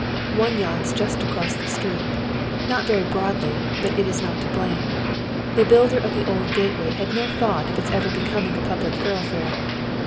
One yawns just across the street ; not very broadly, but it is not to blame. The builder of the old gateway liad no thought of its ever becoming a public thoroughfare.